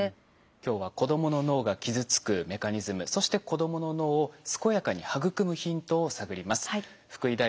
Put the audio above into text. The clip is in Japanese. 今日は子どもの脳が傷つくメカニズムそして子どもの脳を健やかに育むヒントを探ります。